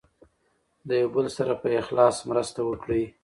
د یو بل سره په اخلاص مرسته وکړئ.